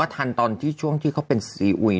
ทันตอนที่ช่วงที่เขาเป็นซีอุย